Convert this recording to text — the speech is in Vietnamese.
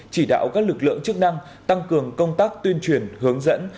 chỉ đạo các lực lượng chức năng tăng cường công tác tuyên truyền hướng dẫn